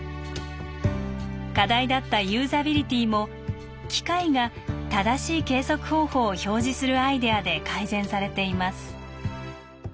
課題だったユーザビリティーも機械が正しい計測方法を表示するアイデアで改善されています。